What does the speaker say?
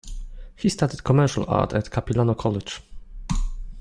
He studied commercial art at Capilano College.